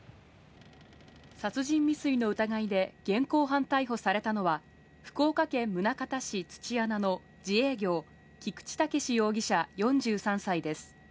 殺人未遂の疑いで現行犯逮捕されたのは、福岡県宗像市土穴の自営業、菊池剛史容疑者４３歳です。